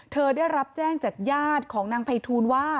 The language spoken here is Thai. ได้รับแจ้งจากญาติของนางไพทูลว่า